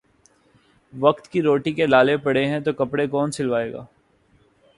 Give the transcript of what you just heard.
وقت کی روٹی کے لالے پڑے ہیں تو کپڑے کون سلوائے گا